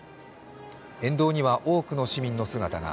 沿道には多くの市民の姿が。